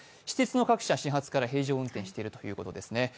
私鉄の各社、始発から平常運転しているということですね。